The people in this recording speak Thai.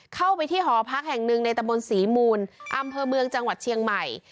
เข้าไปที่หอพักแห่งหนึ่งในตะบนศรีมูลอำเภอเมืองจังหวัดเชียงใหม่